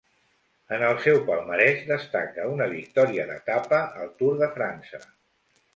En el seu palmarès destaca una victòria d'etapa al Tour de França.